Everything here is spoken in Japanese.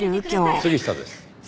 杉下です。